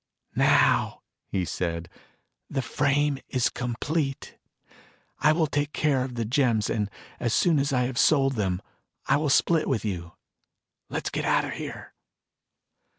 "Now," he said, "the frame is complete. I will take care of the gems and as soon as I have sold them, I will split with you. Let's get out of here."